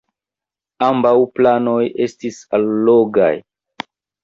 Ambaŭ planoj estis allogaj.